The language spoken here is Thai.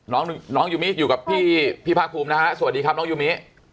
น้องน้องยูมิอยู่กับพี่ภาคภูมินะฮะสวัสดีครับน้องยูมิ